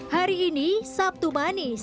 hari ini sabtu manis